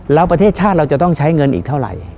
แล้วประเทศชาติเราจะต้องใช้เงินอีกเท่าไหร่